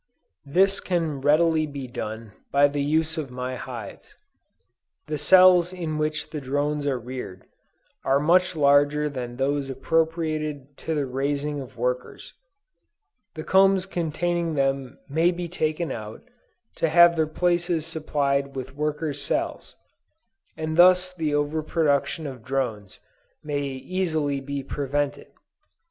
This can readily be done by the use of my hives. The cells in which the drones are reared, are much larger than those appropriated to the raising of workers. The combs containing them may be taken out, to have their places supplied with worker's cells, and thus the over production of drones may easily be prevented.